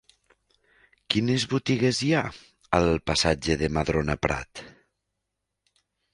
Quines botigues hi ha al passatge de Madrona Prat?